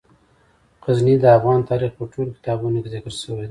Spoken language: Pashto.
غزني د افغان تاریخ په ټولو کتابونو کې ذکر شوی دی.